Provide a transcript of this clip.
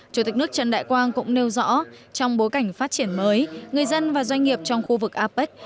chủ tịch nước trần đại quang cũng nêu rõ trong bối cảnh phát triển mới người dân và doanh nghiệp trong khu vực apec